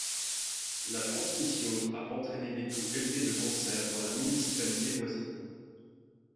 La transmission a entraîné des taux élevés de cancer dans la municipalité voisine.